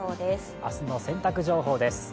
明日の洗濯情報です。